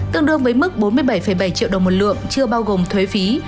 tương đương với mức bốn mươi bảy bảy triệu đồng một lượng chưa bao gồm thuế phí